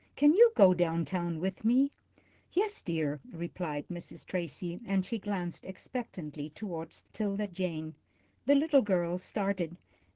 Can you go down town with me?" "Yes, dear," replied Mrs. Tracy, and she glanced expectantly toward 'Tilda Jane. The little girl started.